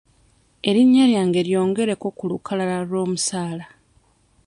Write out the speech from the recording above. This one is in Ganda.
Erinnya lyange lyongereko ku lukalala lw'omusaala.